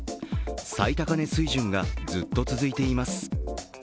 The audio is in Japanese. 最高値水準がずっと続いています。